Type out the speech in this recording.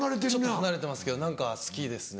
離れてますけど何か好きですね。